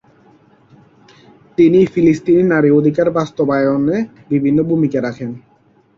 তিনি ফিলিস্তিনী নারী অধিকার বাস্তবায়নে বিভিন্ন ভুমিকা রাখেন।